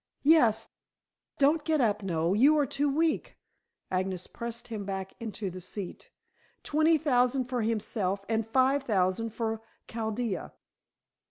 "Yes. Don't get up, Noel, you are too weak." Agnes pressed him back into the seat. "Twenty thousand for himself and five thousand for Chaldea."